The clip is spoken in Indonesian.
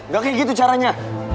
gak kayak gitu caranya